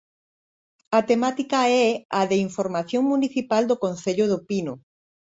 A temática é a de información municipal do concello do Pino.